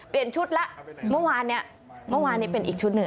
เปลี่ยนชุดแล้วเมื่อวานนี้เป็นอีกชุดหนึ่ง